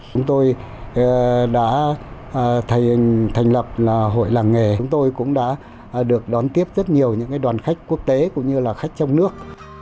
chúng tôi đã thành lập là hội làng nghề chúng tôi cũng đã được đón tiếp rất nhiều những đoàn khách quốc tế cũng như là khách trong nước